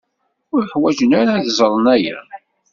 Ur ḥwajen ara ad ẓren aya.